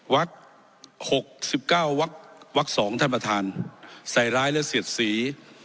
วักหกสิบเก้าวักวักสองท่านประทานใส่ร้ายและเสียดศรี